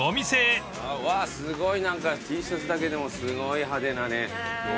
わあすごいＴシャツだけでもすごい派手なね。